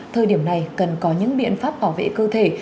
thời điểm này cần có những biện pháp bảo vệ cơ thể